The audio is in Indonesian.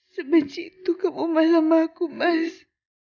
sebentar itu kamu mas sama aku mas